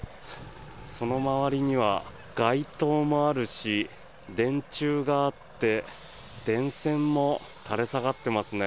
その周りには街灯もあるし電柱があって電線も垂れ下がってますね。